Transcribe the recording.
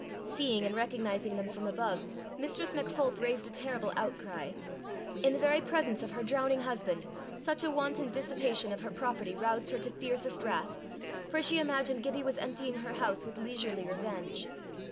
Seeing and recognizing them from above, Mistress MacPholp raised a terrible outcry. In the very presence of her drowning husband, such a wanton dissipation of her property roused her to fiercest wrath, for she imagined Gibbie was emptying her house with leisurely revenge.